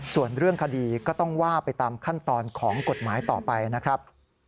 ส่วนเรื่องคดีก็ต้องว่าไปตามขั้นตอนของกฎหมายต่อไปนะครับ